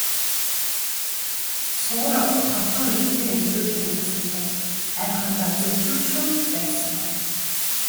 Сугар хот руу эхнэрээ эмчлүүлэхээр явсан тул амьхандаа зөвлөх ч хүн байсангүй.